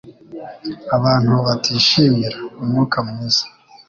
abantu batishimira. Umwuka mwiza